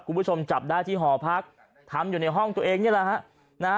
คุณผู้ชมจับได้ที่หอพักทำอยู่ในห้องตัวเองนี่แหละฮะนะฮะ